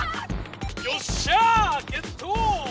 よっしゃぁゲット！